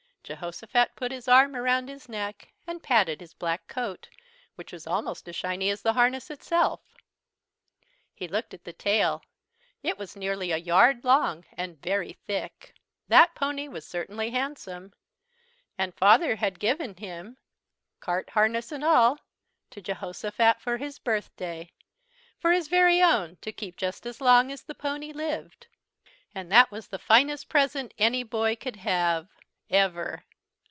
Jehosophat put his arm around his neck and patted his black coat, which was almost as shiny as the harness itself. He looked at the tail. It was nearly a yard long and very thick. That pony was certainly handsome. And Father had given him cart, harness, and all to Jehosophat for his birthday, for his very own, to keep just as long as the pony lived. And that was the finest present any boy could have ever.